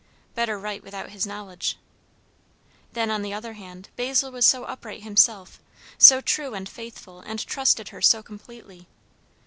Better write without his knowledge. Then, on the other hand, Basil was so upright himself, so true and faithful, and trusted her so completely.